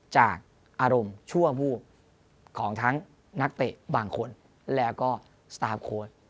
จากอารมณ์ชั่ววูบของทั้งนักเตะบางคนแล้วก็สตาร์ฟโค้ด